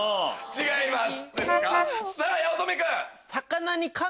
違います